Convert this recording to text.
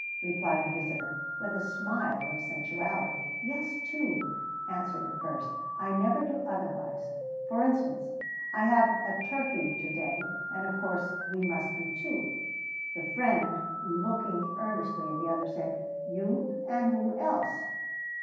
replied the visitor, with a smile of sensuality. "Yes, two," answered the first; "I never do otherwise: for instance, I have a turkey to day, and of course we must be two." The friend, looking earnestly at the other, said: "You, and who else?"